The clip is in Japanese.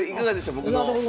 僕の。